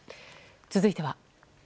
続いては。